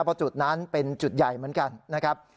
เพราะจุดนั้นเป็นจุดใหญ่เหมือนกันนะครับ